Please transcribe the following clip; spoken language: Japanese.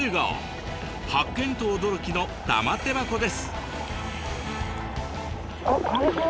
発見と驚きの玉手箱です。